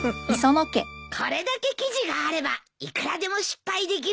これだけ生地があればいくらでも失敗できるよ。